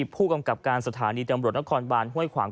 ผู้กำกับการสถานีตำรวจนครบานห้วยขวาง